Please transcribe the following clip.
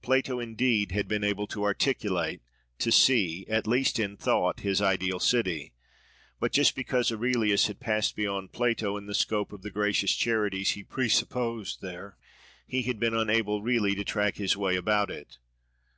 Plato, indeed, had been able to articulate, to see, at least in thought, his ideal city. But just because Aurelius had passed beyond Plato, in the scope of the gracious charities he pre supposed there, he had been unable really to track his way about it.